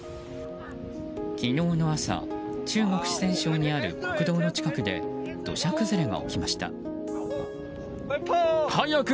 昨日の朝、中国・四川省にある国道の近くで土砂崩れが起きました。